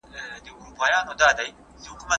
که ته انار وخورې، پوستکی به خوشحاله وي.